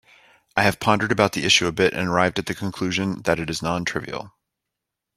I have pondered about the issue a bit and arrived at the conclusion that it is non-trivial.